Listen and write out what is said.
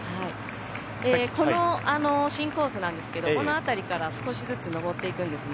この新コースなんですけどこの辺りから少しずつ上っていくんですね。